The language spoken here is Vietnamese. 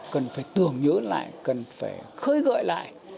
cần phải tưởng nhớ lại cần phải khơi gợi lại